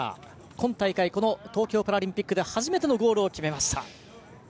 今大会この東京パラリンピックで初めてのゴールを決めました。